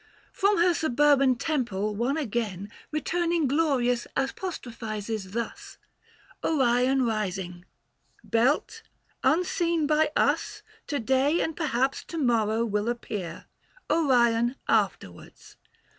From her suburban temple one again, Returning glorious, apostrophises thus Orion rising :" Belt, unseen by us 950 To day and perhaps to morrow will appear, Orion, afterwards."